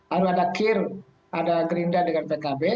lalu ada kir ada gerindra dengan pkb